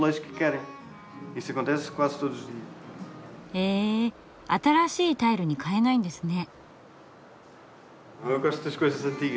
へえ新しいタイルに変えないんですね。